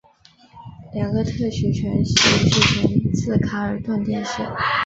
两个特许权系继承自卡尔顿电视。